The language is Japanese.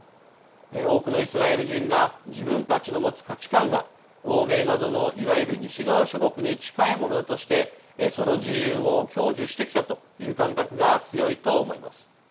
多くのイスラエル人が自分たちの持つ価値観が欧米などのいわゆる西側諸国に近いものだとしてその自由を享受してきたという感覚が強いと思います。